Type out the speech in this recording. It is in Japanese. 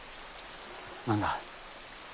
何だ？